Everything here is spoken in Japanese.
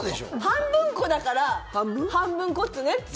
半分こだから半分こっつねって言って。